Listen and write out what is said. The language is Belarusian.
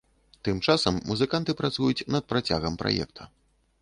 Тым часам музыканты працуюць над працягам праекта.